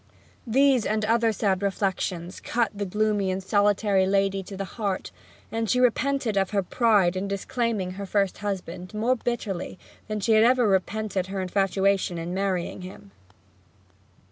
These and other sad reflections cut the gloomy and solitary lady to the heart; and she repented of her pride in disclaiming her first husband more bitterly than she had ever repented of her infatuation in marrying him.